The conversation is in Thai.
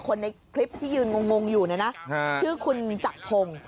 คนในคลิปที่ยืนงงอยู่เนี่ยนะชื่อคุณจักรพงศ์